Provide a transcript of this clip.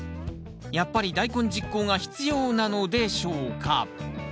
やっぱり大根十耕が必要なのでしょうか？